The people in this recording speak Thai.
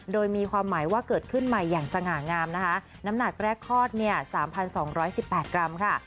โดยมีความหมายว่าเกิดขึ้นใหม่อย่างสง่างามนะคะน้ำหนักแรกคลอดเนี่ย๓๒๑๘กรัมค่ะ